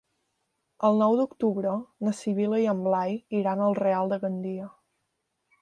El nou d'octubre na Sibil·la i en Blai iran al Real de Gandia.